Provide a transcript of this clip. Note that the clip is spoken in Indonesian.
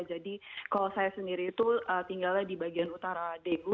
jadi kalau saya sendiri itu tinggalnya di bagian utara daegu